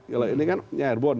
kalau ini kan air bond